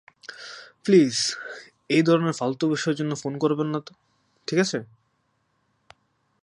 Please, এই ধরনের ফালতু বিষয়ের জন্য ফোন করবে না, ঠিক আছে?